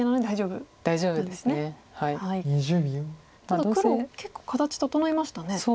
ただ黒結構形整いましたね。